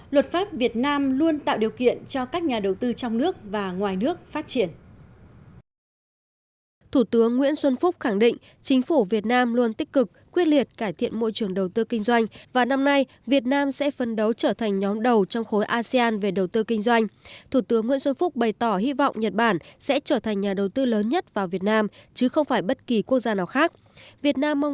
luật pháp việt nam luôn tạo điều kiện cho các nhà đầu tư trong nước và ngoài nước phát triển